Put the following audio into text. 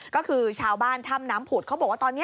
ก็คือชาวบ้านถ้ำน้ำผุดเขาบอกว่าตอนนี้